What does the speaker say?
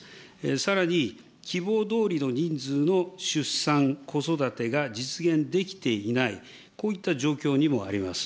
さらに、希望どおりの人数の出産、子育てが実現できていない、こういった状況にもあります。